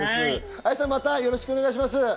愛さん、またよろしくお願いします。